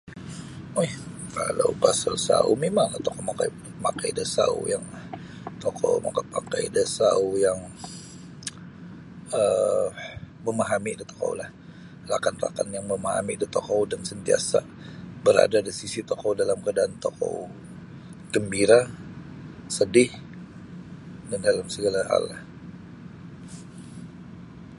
um Kalau pasal sauh mimang la tokou mamakai mamakai da sauh yang tokou makapakai da sauh yang um mamahami da tokou lah rakan-rakan yang mamahami da tokou dan sentiasa berada di sisi tokou dalam kadaan tokou gembira sedih dan dalam segala hal lah.